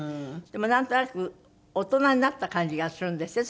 でもなんとなく大人になった感じがするんですって？